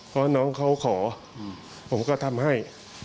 เพราะน้องเขาขอผมก็ทำให้